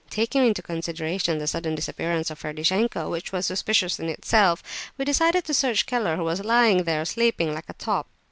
Taking into consideration the sudden disappearance of Ferdishenko, which was suspicious in itself, we decided to search Keller, who was lying there sleeping like a top.